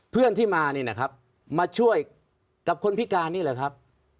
เพื่อนที่มานี่นะครับมาช่วยกับคนพิการนี่แหละครับ